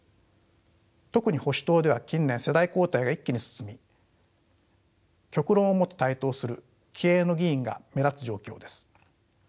特に保守党では近年世代交代が一気に進み極論をもって台頭する気鋭の議員が目立つ状況です。